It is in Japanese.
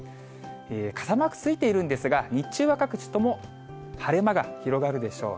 傘マークついているんですが、日中は各地とも晴れ間が広がるでしょう。